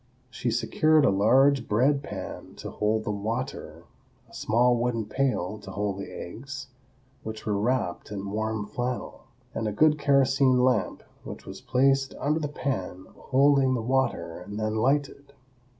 She secured a large bread pan to hold the water, a small wooden pail to hold the eggs, which were wrapped in warm flannel, and a good kerosene lamp, which was placed under the pan holding the water and then lighted.